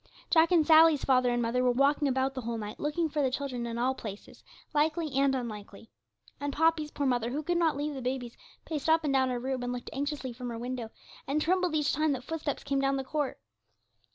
Jack and Sally's father and mother were walking about the whole night, looking for their children in all places, likely and unlikely. And Poppy's poor mother, who could not leave the babies, paced up and down her room, and looked anxiously from her window, and trembled each time that footsteps came down the court.